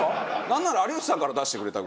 なんなら有吉さんから出してくれた。